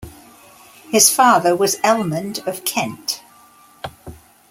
His father was Ealhmund of Kent.